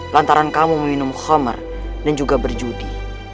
lantaran kamu meminum homer dan juga berjudi